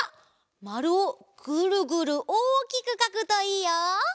まるをぐるぐるおおきくかくといいよ！